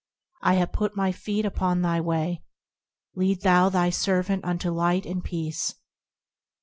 Lo ! I have put my feet upon thy way. Lead thou thy servant unto light and peace.